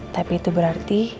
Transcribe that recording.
tapi itu berarti